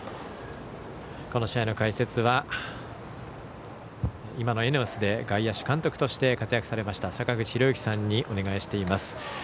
この試合の解説は今のＥＮＥＯＳで外野手として活躍されました、坂口裕之さんにお願いしています。